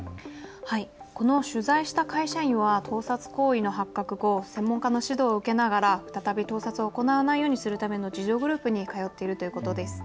この取材した会社員は盗撮行為の発覚後、専門家の指導を受けながら再び盗撮を行わないようにするための自助グループに通っているということです。